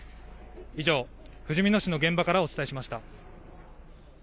以上、ふじみ野市の現場からお伝えしました。